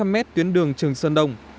bốn trăm linh m tuyến đường trường sơn đông